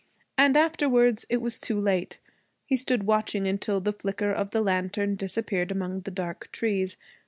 And afterwards it was too late. He stood watching until the flicker of the lantern disappeared among the dark trees.